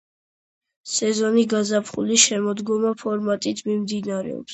სეზონი გაზაფხული–შემოდგომა ფორმატით მიმდინარეობს.